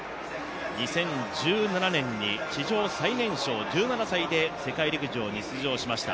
２０１７年に史上最年少、１７歳で世界陸上に出場しました。